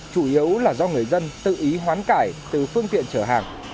chủ yếu là do người dân tự ý hoán cải từ phương tiện chở hàng